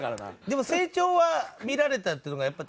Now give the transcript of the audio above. でも成長は見られたっていうのがやっぱり。